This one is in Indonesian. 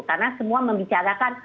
karena semua membicarakan